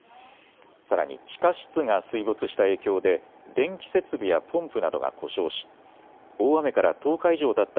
さらに地下室が水没した影響で電気設備やポンプなどが故障し大雨から１０日以上たった